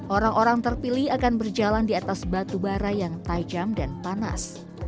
orang orang terpilih akan berjalan di atas batu bara yang tajam dan panas